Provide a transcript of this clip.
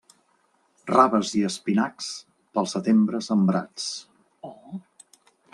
Raves i espinacs, pel setembre sembrats.